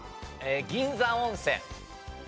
銀山温泉。